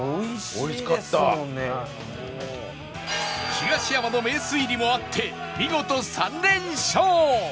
東山の名推理もあって見事３連勝